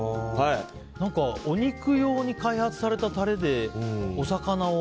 何かお肉用に開発されたタレでお魚を。